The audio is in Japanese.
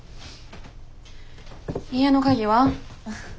家の鍵は？